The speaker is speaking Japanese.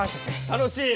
楽しい？